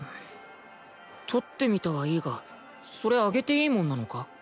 撮ってみたはいいがそれ上げていいものなのか？